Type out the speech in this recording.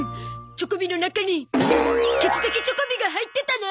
チョコビの中にケツだけチョコビが入ってたの？